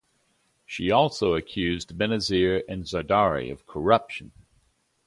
She also accused Benazir and Zardari of corruption.